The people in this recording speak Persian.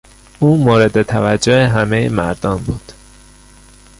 او مورد توجه همهی مردان بود.